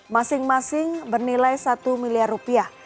masing masing bernilai satu miliar rupiah